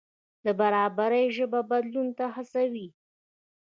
د برابرۍ ژبه بدلون ته هڅوي.